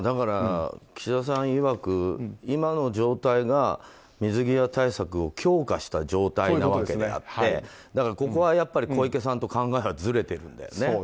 岸田さんいわく、今の状態が水際対策を強化した状態なわけであってここは小池さんと考えはずれてるんだよね。